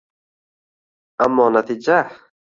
Ammo natija...